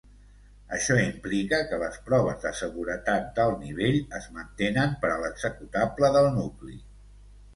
Això implica que les proves de seguretat d'alt nivell es mantenen per a l'executable del nucli.